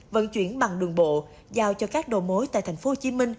vận chuyển bằng đường bộ giao cho các đồ mối tại tp hcm